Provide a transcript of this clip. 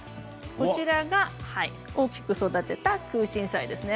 こちらが大きく育てたクウシンサイですね。